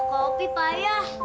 ah kak opi payah